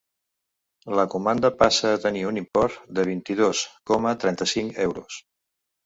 La comanda passa a tenir un import de vint-i-dos coma trenta-cinc euros.